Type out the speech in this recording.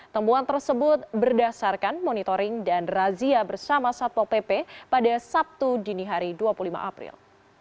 temuan tersebut berdasarkan monitoring dan razia bersama satpo pp pada sabtu dini hari dua puluh lima april